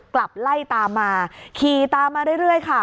กลับไล่ตามมาขี่ตามมาเรื่อยค่ะ